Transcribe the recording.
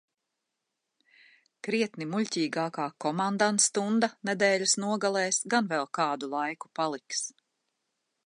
Krietni muļķīgākā komandantstunda nedēļas nogalēs gan vēl kādu laiku paliks.